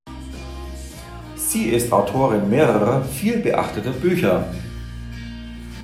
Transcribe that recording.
Sie ist Autorin mehrerer viel beachteter Bücher.